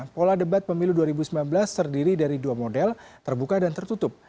pola debat pemilu dua ribu sembilan belas terdiri dari dua model terbuka dan tertutup